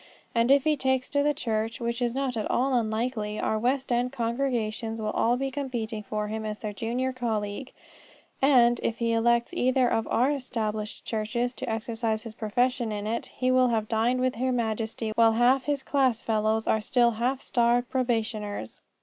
And if he takes to the church, which is not at all unlikely, our West end congregations will all be competing for him as their junior colleague; and, if he elects either of our Established churches to exercise his profession in it, he will have dined with Her Majesty while half of his class fellows are still half starved probationers.